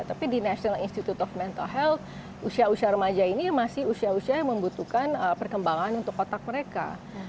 tapi di national institute of mental health usia usia remaja ini masih usia usia yang membutuhkan perkembangan untuk otak mereka